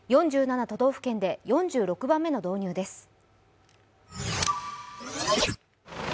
４７都道府県で４６番目の導入です。